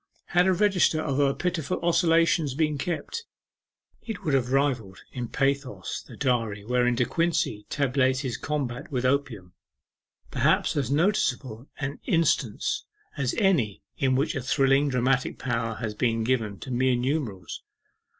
Had a register of her pitiful oscillations been kept, it would have rivalled in pathos the diary wherein De Quincey tabulates his combat with Opium perhaps as noticeable an instance as any in which a thrilling dramatic power has been given to mere numerals.